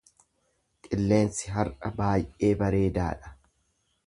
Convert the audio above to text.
Qilleensi har’a baay’ee bareedaa dha.